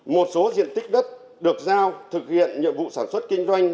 một số diện tích đất được giao thực hiện nhiệm vụ sản xuất kinh doanh